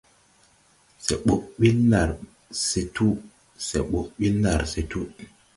Se ɓoʼ ɓil ndar se tuu, se ɓoʼ ɓil ndar se tuu.